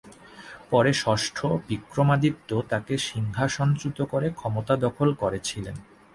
পরে ষষ্ঠ বিক্রমাদিত্য তাঁকে সিংহাসনচ্যুত করে ক্ষমতা দখল করেছিলেন।